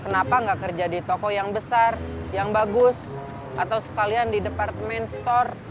kenapa nggak kerja di toko yang besar yang bagus atau sekalian di departemen store